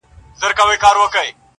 زما په خيال هري انجلۍ ته گوره.